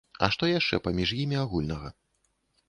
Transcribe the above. А што яшчэ паміж імі агульнага?